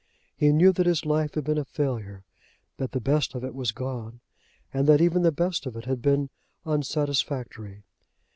He knew that his life had been a failure, that the best of it was gone, and that even the best of it had been unsatisfactory.